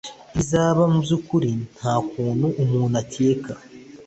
Ibizaba mubyukuri nukuntu umuntu akeka.